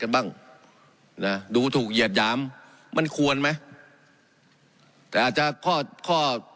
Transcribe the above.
กันบ้างนะดูถูกเหยียดหยามมันควรไหมแต่อาจจะข้อข้อ